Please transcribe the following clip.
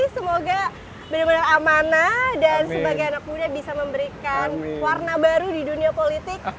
semoga benar benar amanah dan sebagai anak muda bisa memberikan warna baru di dunia politik